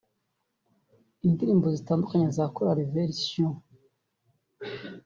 Indirimbo zitandukanye za Korali vers sion